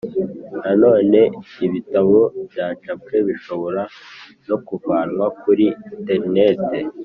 Nanone ibitabo byacapwe bishobora no kuvanwa kuri interineti